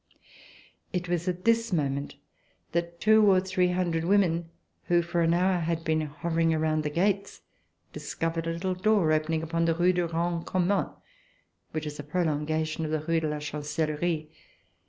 It was at this moment that two or three hundred women, who for an hour had been hovering around the gates, discovered a little door opening upon the Rue du Grand Commun, which was a prolongation of the Rue de la Chancellerie.